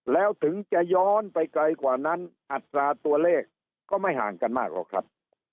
แล้วถึงจะย้อนไปไกลกว่านั้นอัตราตัวเลขก็ไม่ห่างกันมากหรอกครับ